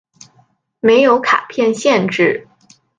没有卡片限制。